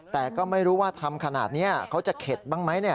แต่ก็ไม่รู้ว่าทำขนาดนี้เขาจะเข็ดบ้างไหม